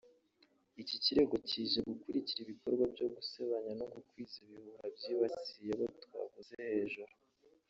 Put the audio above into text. Iki kirego kije gikurikira ibikorwa byo gusebanya no gukwiza ibihuha byibasiye abo twavuze hejuru